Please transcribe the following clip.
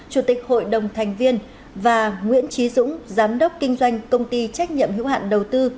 chủ tịch hội đồng thành viên và nguyễn trí dũng giám đốc kinh doanh công ty trách nhiệm hữu hạn đầu tư